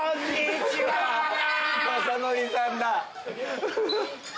雅紀さんだ。